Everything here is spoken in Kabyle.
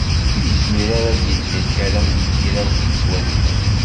Ur yezmir ara ad d-yeldi akaram n tirawt yettwaznen.